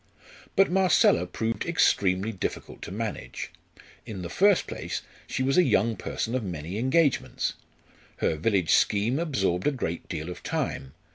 But Marcella proved extremely difficult to manage. In the first place she was a young person of many engagements. Her village scheme absorbed a great deal of time.